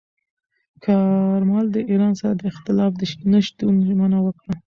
کارمل د ایران سره د اختلاف د نه شتون ژمنه وکړه.